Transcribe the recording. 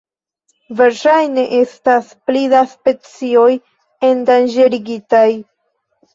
Verŝajne estas pli da specioj endanĝerigitaj.